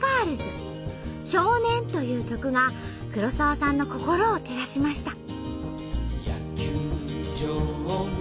「少年」という曲が黒沢さんの心を照らしました。